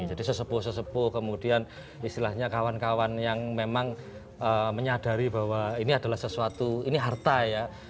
jadi sesepuh sesepuh kemudian istilahnya kawan kawan yang memang menyadari bahwa ini adalah sesuatu ini harta ya